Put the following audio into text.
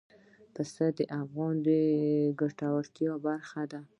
پسه د افغانانو د ګټورتیا برخه ده.